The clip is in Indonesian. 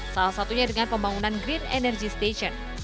salah satunya dengan pembangunan green energy station